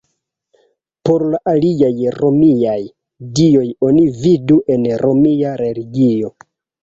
Por la aliaj romiaj dioj oni vidu en romia religio.